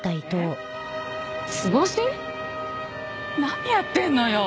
何やってんのよ。